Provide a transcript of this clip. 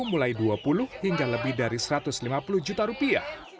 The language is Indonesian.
mulai dua puluh hingga lebih dari satu ratus lima puluh juta rupiah